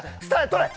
取れ！